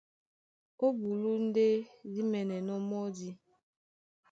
Ó bulú ndé dí mɛ́nɛnɔ́ mɔ́di.